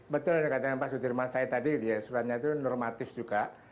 betul yang dikatakan pak sudirman saya tadi gitu ya suratnya itu normatif juga